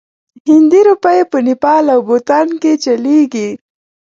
هندي روپۍ په نیپال او بوتان کې چلیږي.